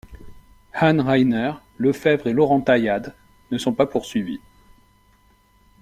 Han Ryner, Lefèvre et Laurent Tailhade ne sont pas poursuivis.